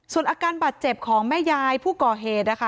ส่วนอาการบาดเจ็บของแม่ยายผู้ก่อเหตุนะคะ